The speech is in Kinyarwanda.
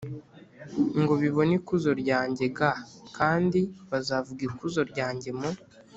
ngo bibone ikuzo ryanjye g kandi bazavuga ikuzo ryanjye mu